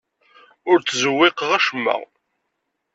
Ur ttzewwiqeɣ acemma.